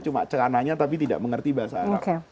cuma celananya tapi tidak mengerti bahasa arab